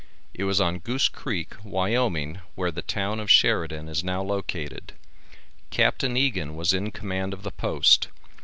It was on Goose Creek, Wyoming, where the town of Sheridan is now located. Capt. Egan was in command of the Post.